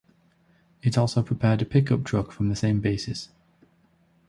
It also prepared a pick up truck from the same basis.